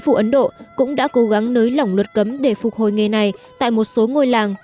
phủ ấn độ cũng đã cố gắng nới lỏng luật cấm để phục hồi nghề này tại một số ngôi làng